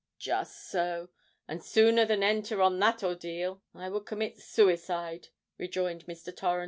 "Just so: and sooner than enter on that ordeal, I would commit suicide," rejoined Mr. Torrens.